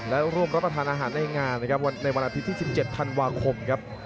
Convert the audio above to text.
และร่วมรับประทานอาหารในงานนะครับในวันอาทิตย์ที่๑๗ธันวาคมครับ